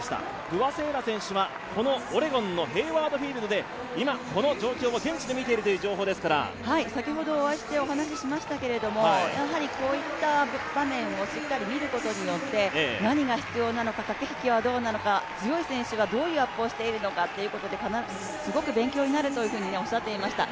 不破選手は現地オレゴンで今、この状況を現地で見ているという情報ですから先ほど、お会いしてお話ししましたけど、こういった場面をしっかり見ることによって何が必要なのか、駆け引きはどうなのか、強い選手がどういうアップをしているのか、すごく勉強になるとおっしゃっていました。